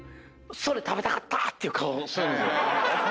それ食べたかった！っていう顔すんねん。